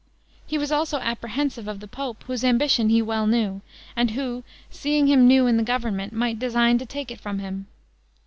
He was also apprehensive of the pope, whose ambition he well knew, and who seeing him new in the government, might design to take it from him.